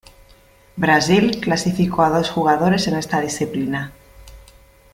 Brazil clasificó a dos jugadores en esta disciplina.